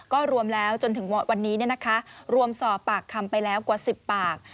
ก็รวมแล้วจนถึงวันนี้รวมสอบปากคำไปแล้วกว่า๑๐ปาก